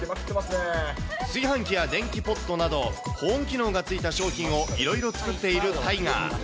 炊飯器や電気ポットなど、保温機能が付いた商品をいろいろ作っているタイガー。